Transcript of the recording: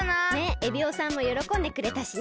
エビオさんもよろこんでくれたしね。